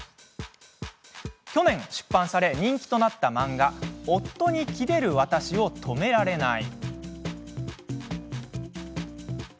去年、出版され人気となった漫画「夫にキレる私をとめられない」。